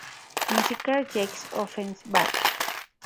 Música: Jacques Offenbach.